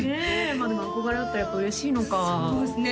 まあでも憧れがあったらやっぱ嬉しいのかそうですね